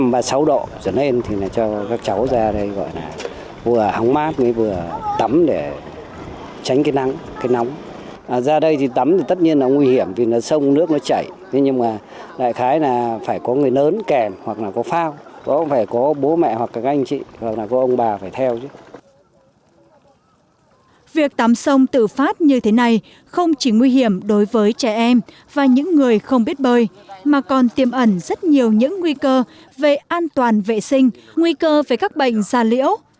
việc tắm sông tự phát như thế này không chỉ nguy hiểm đối với trẻ em và những người không biết bơi mà còn tiềm ẩn rất nhiều những nguy cơ về an toàn vệ sinh nguy cơ về các bệnh già liễu